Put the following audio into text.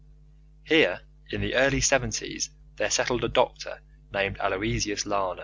Here in the early seventies there settled a doctor named Aloysius Lana.